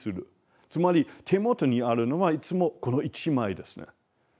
つまり手元にあるのはいつもこの１枚ですね。